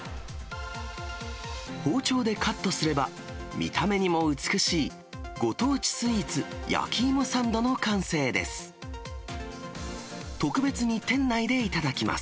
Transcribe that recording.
包丁でカットすれば、見た目にも美しい、ご当地スイーツ、焼き芋サンドの完成です。